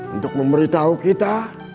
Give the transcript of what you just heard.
untuk memberitahu kita